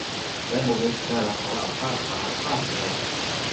และโมเมนต์สุดน่ารักของเหล่าทาสหมาทาสแมว